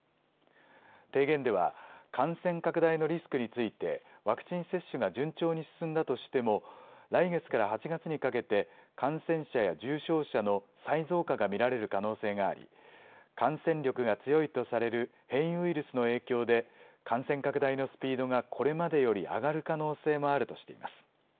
提言では、感染拡大のリスクについて、ワクチン接種が順調に進んだとしても、来月から８月にかけて、感染者や重症者の再増加が見られる可能性があり、感染力が強いとされる変異ウイルスの影響で、感染拡大のスピードがこれまでより上がる可能性もあるとしています。